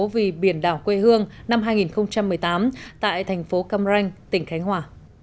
vì biển đảo quê hương năm hai nghìn một mươi tám tại thành phố cam ranh tỉnh khánh hòa